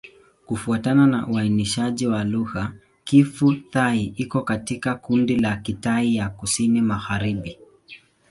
Kufuatana na uainishaji wa lugha, Kiphu-Thai iko katika kundi la Kitai ya Kusini-Magharibi.